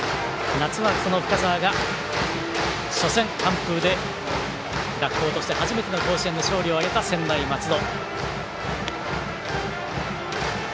夏は、この深沢が初戦完封で学校として初めて甲子園で勝利を挙げた専大松戸。